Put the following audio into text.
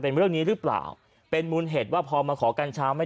เป็นเรื่องนี้หรือเปล่าเป็นมูลเหตุว่าพอมาขอกัญชาไม่